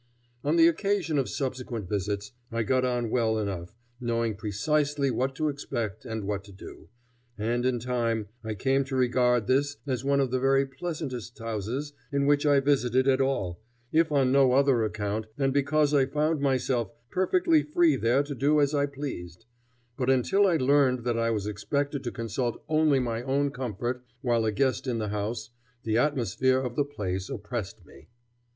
On the occasion of subsequent visits I got on well enough, knowing precisely what to expect and what to do, and in time I came to regard this as one of the very pleasantest houses in which I visited at all, if on no other account than because I found myself perfectly free there to do as I pleased; but until I learned that I was expected to consult only my own comfort while a guest in the house the atmosphere of the place oppressed me.